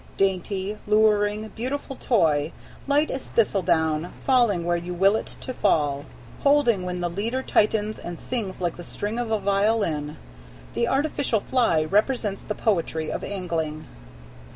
Dainty, luring, beautiful toy, light as thistle down, falling where you will it to fall, holding when the leader tightens and sings like the string of a violin, the artificial fly represents the poetry of angling.